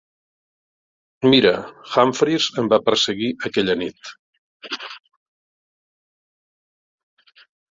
Mira, Humphreys em va perseguir aquella nit.